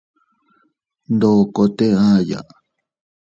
Ndokote aʼya.